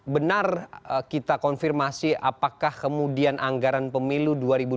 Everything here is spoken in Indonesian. benar kita konfirmasi apakah kemudian anggaran pemilu dua ribu dua puluh